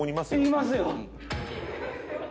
いますよ。